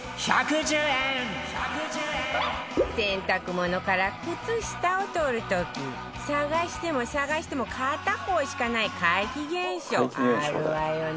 洗濯物から靴下を取る時探しても探しても片方しかない怪奇現象あるわよね